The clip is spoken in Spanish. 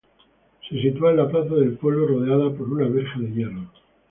Se sitúa en la plaza del pueblo, rodeada por una verja de hierro.